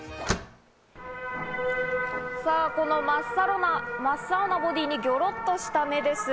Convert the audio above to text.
さぁ、この真っ青なボディにギョロっとした目です。